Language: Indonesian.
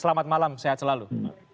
selamat malam sehat selalu